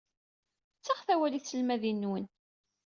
Ttaɣet awal i tselmadin-nwen.